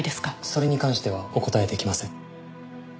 それに関してはお答えできません。